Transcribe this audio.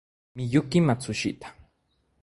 Miyuki Matsushita